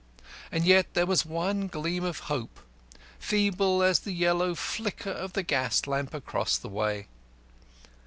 And yet there was one gleam of hope, feeble as the yellow flicker of the gas lamp across the way.